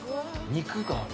◆肉がある。